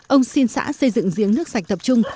ông xin xã xây dựng giếng nước sạch tập trung